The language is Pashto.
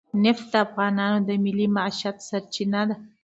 نفت د افغانانو د معیشت سرچینه ده.